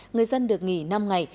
người dân được nghỉ năm ngày